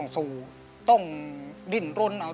สวัสดีครับ